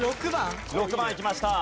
６番いきました。